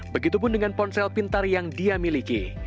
begitupun dengan ponsel pintar yang dia miliki